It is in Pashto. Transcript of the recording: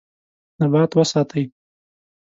نبات وساتئ.